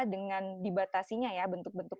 dengan dibatasinya bentuk bentuk